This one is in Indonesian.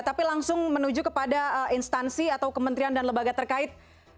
tapi langsung menuju kepada instansi atau kementerian dan lembaga terkait